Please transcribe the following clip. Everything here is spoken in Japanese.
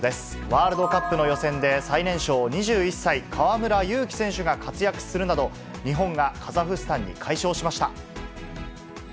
ワールドカップの予選で最年少２１歳、河村勇輝選手が活躍するなど、日本がカザフスタンに快勝しました。